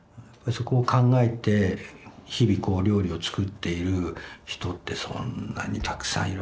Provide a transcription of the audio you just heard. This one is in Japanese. そこを考えて日々こう料理をつくっている人ってそんなにたくさんいるわけじゃないよなって思いますね。